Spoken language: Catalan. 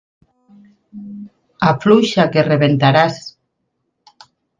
Afluixa, que rebentaràs.